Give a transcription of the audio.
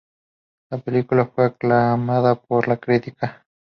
La película fue aclamada por la crítica.